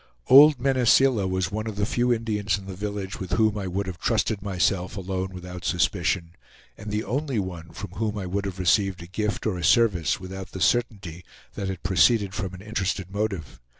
Old Mene Seela was one of the few Indians in the village with whom I would have trusted myself alone without suspicion, and the only one from whom I would have received a gift or a service without the certainty that it proceeded from an interested motive.